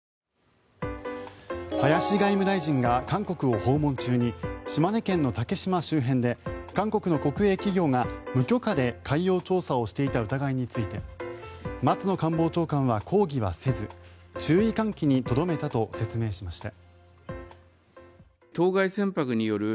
林外務大臣が韓国を訪問中に島根県の竹島周辺で韓国の国営企業が無許可で海洋調査をしていた疑いについて松野官房長官は、抗議はせず注意喚起にとどめたと説明しました。